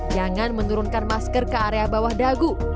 jangan menurunkan masker ke area bawah dagu